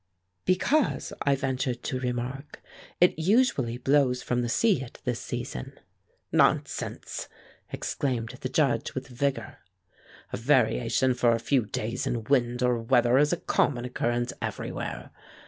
"Because," I ventured to remark, "it usually blows from the sea at this season." "Nonsense," exclaimed the Judge with vigor. "A variation for a few days in wind or weather is a common occurrence everywhere.